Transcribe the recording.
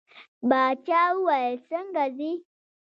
باچا وویل څنګه ځې.